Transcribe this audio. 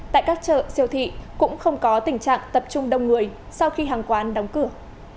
tại các chợ siêu thị cũng không có tình trạng tập trung đông người sau khi hàng quán đóng cửa